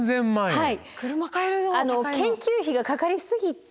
はい。